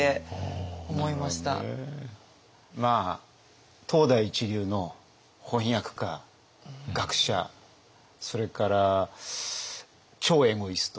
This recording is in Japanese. まあ当代一流の翻訳家学者それから超エゴイスト。